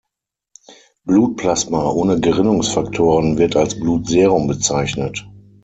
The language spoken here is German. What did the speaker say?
Blutplasma ohne Gerinnungsfaktoren wird als Blutserum bezeichnet.